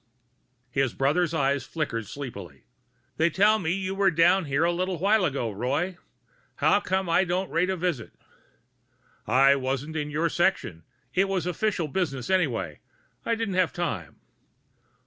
His brother's eyes flickered sleepily. "They tell me you were down here a little while ago, Roy. How come I didn't rate a visit?" "I wasn't in your section. It was official business, anyway. I didn't have time."